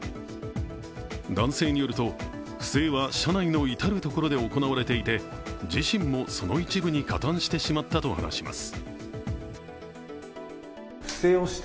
男性によると、不正は社内の至る所で行われていて自身もその一部に加担してしまったと話します。